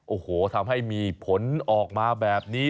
โอ้โหทำให้มีผลออกมาแบบนี้